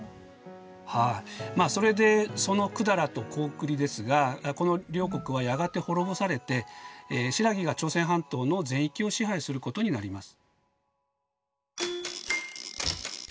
はいまあそれでその百済と高句麗ですがこの両国はやがて滅ぼされて新羅が朝鮮半島の全域を支配することになります。